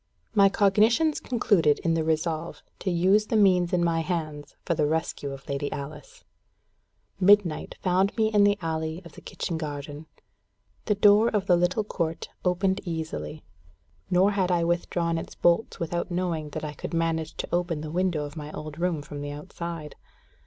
My cognitions concluded in the resolve to use the means in my hands for the rescue of Lady Alice. Midnight found me in the alley of the kitchen garden. The door of the little court opened easily. Nor had I withdrawn its bolts without knowing that I could manage to open the window of my old room from the outside.